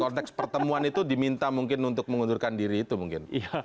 konteks pertemuan itu diminta mungkin untuk mengundurkan diri itu mungkin